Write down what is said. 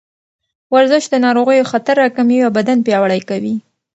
ورزش د ناروغیو خطر راکموي او بدن پیاوړی کوي.